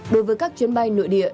đối với các chuyến bay lội địa